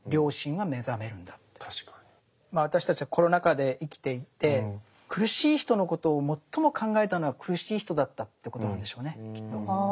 まあ私たちはコロナ禍で生きていて苦しい人のことを最も考えたのは苦しい人だったってことなんでしょうねきっと。